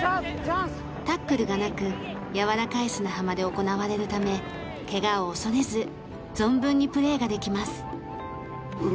タックルがなくやわらかい砂浜で行われるため怪我を恐れず存分にプレーができます。